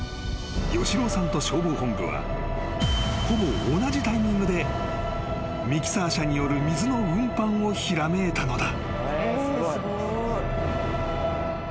吉朗さんと消防本部はほぼ同じタイミングでミキサー車による水の運搬をひらめいたのだ］